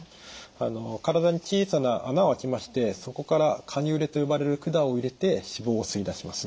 体に小さな孔をあけましてそこからカニューレと呼ばれる管を入れて脂肪を吸い出します。